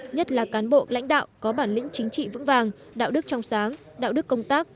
nhất là cán bộ lãnh đạo có bản lĩnh chính trị vững vàng đạo đức trong sáng đạo đức công tác